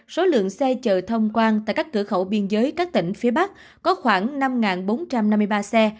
số lượng xe chở thông quan tại các cửa khẩu biên giới các tỉnh phía bắc có khoảng năm bốn trăm năm mươi ba xe